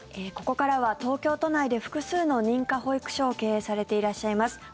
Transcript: ここからは東京都内で複数の認可保育所を経営されていらっしゃいます